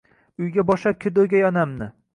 Uyga boshlab kirdi o’gay onamni